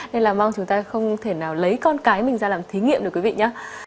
nên là mong chúng ta không thể nào lấy con cái mình ra làm thí nghiệm được quý vị nhé